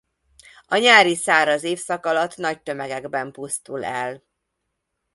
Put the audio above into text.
A nyári száraz évszak alatt nagy tömegekben pusztul el.